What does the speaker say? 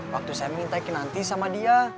waktu saya minta kinanti sama dia